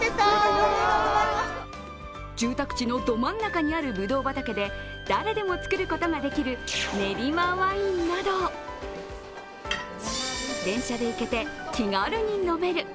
住宅地のど真ん中にあるぶどう畑で誰でも作ることができるねりまワインなど電車で行けて、気軽に飲める。